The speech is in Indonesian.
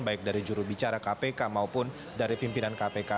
baik dari jurubicara kpk maupun dari pimpinan kpk